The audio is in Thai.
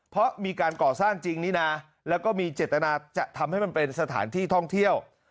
เพราะมีการก่อสร้างจริงนี่นะแล้วก็มีเจตนาจะทำให้มันเป็นสถานที่ท่องเที่ยว